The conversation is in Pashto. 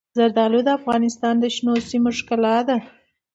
زردالو د افغانستان د شنو سیمو ښکلا ده.